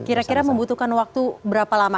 kira kira membutuhkan waktu berapa lama